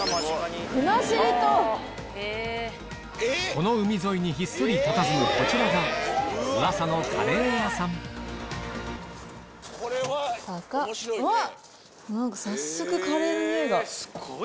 この海沿いにひっそりたたずむこちらがうわさのカレー屋さんうわっ！